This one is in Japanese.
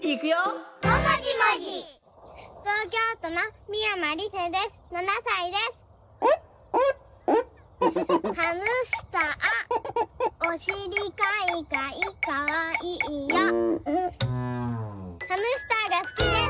ハムスターがすきです。